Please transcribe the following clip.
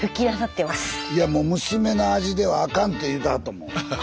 いやもう娘の味ではあかんって言うてはったもん。